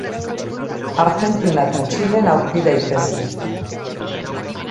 Argentina eta Txilen aurki daitezke.